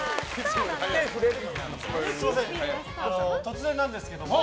突然なんですけども。